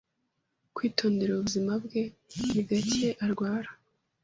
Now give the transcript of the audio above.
Kwitondera ubuzima bwe, ni gake arwara.